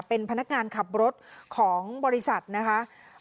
เป็นพนักงานขับรถของบริษัทนะคะ